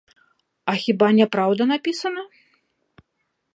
А хіба няпраўда напісана?